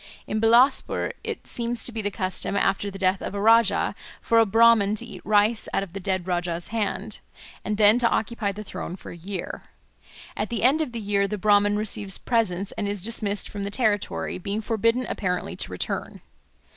In Bilaspur it seems to be the custom, after the death of a Rajah, for a Brahman to eat rice out of the dead Rajah's hand, and then to occupy the throne for a year. At the end of the year the Brahman receives presents and is dismissed from the territory, being forbidden apparently to return.